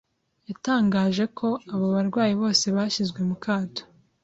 yatangaje ko abo barwayi bose bashyizwe mu kato